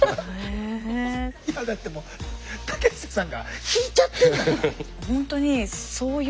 だってもう竹下さんが引いちゃってんだから。